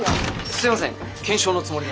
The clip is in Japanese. すいません検証のつもりで。